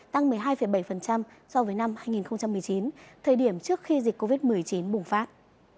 tăng một mươi hai bảy so với năm hai nghìn một mươi chín thời điểm trước khi dịch covid một mươi chín bùng phát